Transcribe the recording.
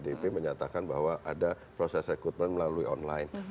tadi sekjen pdp menyatakan bahwa ada proses rekrutmen melalui online